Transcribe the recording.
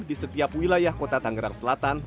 di setiap wilayah kota tangerang selatan